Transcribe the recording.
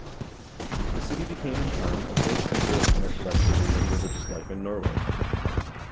The city became in time a great center of commercial activity and religious life in Norway.